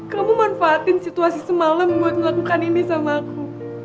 kamu manfaatin situasi semalam buat melakukan ini sama aku